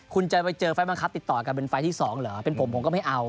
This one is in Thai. คุณจะไปเจอไฟล์บังคับติดต่อกันเป็นไฟล์ที่สองเหรอเป็นผมผมก็ไม่เอา